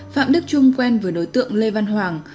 phạm đức trung quen với đối tượng lê văn hoàng